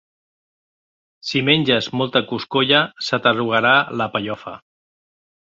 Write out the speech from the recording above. Si menges molta coscolla, se t'arrugarà la... pellofa.